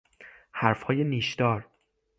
حرفهای نیشدار